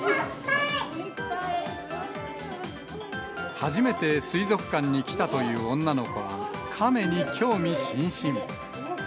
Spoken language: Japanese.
初めて水族館に来たという女の子は、カメに興味津々。